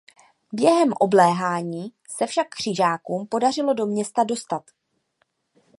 Během obléhání se však křižákům podařilo do města dostat.